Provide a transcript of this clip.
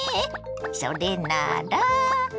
それなら。